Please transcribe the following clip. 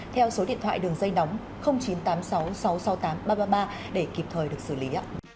theo số điện thoại đường dây nóng chín trăm tám mươi sáu sáu trăm sáu mươi tám ba trăm ba mươi ba để kịp thời được xử lý